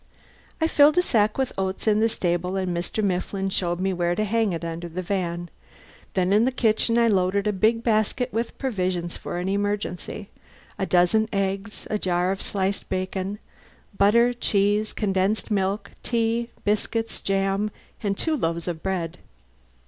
I filled a sack with oats in the stable and Mr. Mifflin showed me where to hang it under the van. Then in the kitchen I loaded a big basket with provisions for an emergency: a dozen eggs, a jar of sliced bacon, butter, cheese, condensed milk, tea, biscuits, jam, and two loaves of bread.